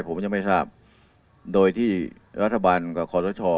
ผมยังไม่ทราบโดยที่รัฐบาลกับคอสช